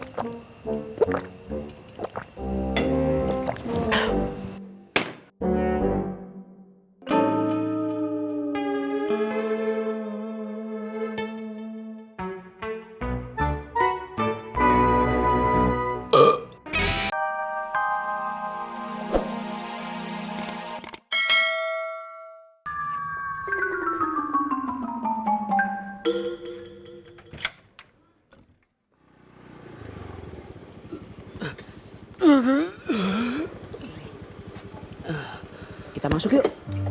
kita masuk yuk